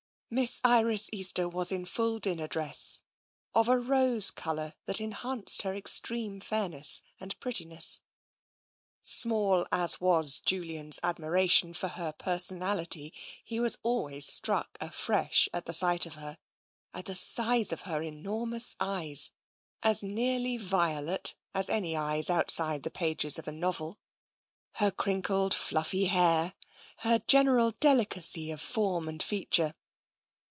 Miss Iris Easter was in full dinner dress, of a rose colour that enhanced her extreme fairness and prettiness. Small as was Julian's admiration for her person ality, he was always struck afresh at the sight of her, at the size of her enormous eyes — as nearly violet as any eyes outside the pages of a novel — her crinkled, fluflfy hair, her general delicacy of form and feature.